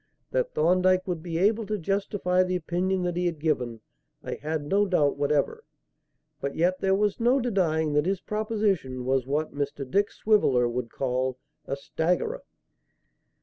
That Thorndyke would be able to justify the opinion that he had given, I had no doubt whatever; but yet there was no denying that his proposition was what Mr. Dick Swiveller would call "a staggerer."